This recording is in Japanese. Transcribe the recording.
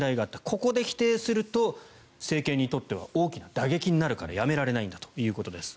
ここで否定すると政権にとっては大きな打撃になるからやめられないんだということです。